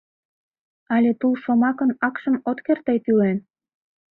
Але тул шомакын Акшым От керт тый тӱлен?